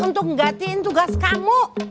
untuk nggantiin tugas kamu